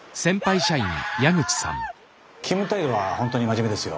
勤務態度は本当に真面目ですよ。